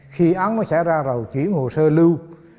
khi hắn nó ra rồi sẽ chuyển hồ sơ lưu